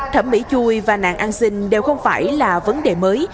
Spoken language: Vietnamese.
thẩm mỹ chui và nạn ăn xin đều không phải là vấn đề mới